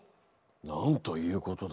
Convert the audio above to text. なんということだ。